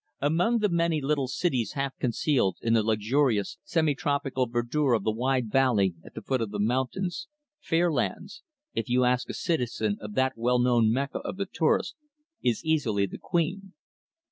Among the many little cities half concealed in the luxurious, semi tropical verdure of the wide valley at the foot of the mountains, Fairlands if you ask a citizen of that well known mecca of the tourist is easily the Queen.